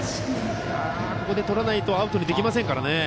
あそこでとらないとアウトにできませんからね。